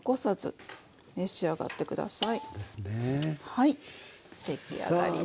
はい出来上がりです。